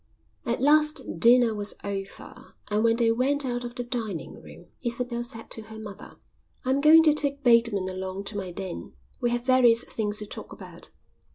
At last dinner was over, and when they went out of the dining room Isabel said to her mother: "I'm going to take Bateman along to my den. We have various things to talk about."